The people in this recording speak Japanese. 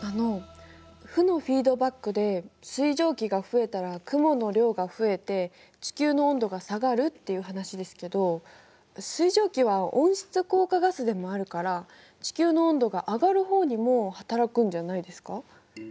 あの負のフィードバックで水蒸気が増えたら雲の量が増えて地球の温度が下がるっていう話ですけど水蒸気は温室効果ガスでもあるから地球の温度が上がる方にも働くんじゃないですか？